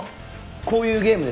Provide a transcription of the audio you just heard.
こういうゲームですか。